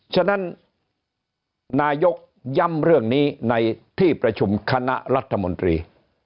ฉะนั้นนายกย้ำเรื่องนี้ในที่ประชุมคณะรัฐมนตรี